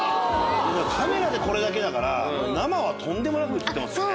カメラでこれだけだから生はとんでもなく映ってますね。